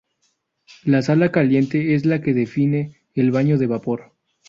La sala caliente es la que define el baño de vapor.